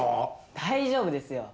大丈夫ですよ。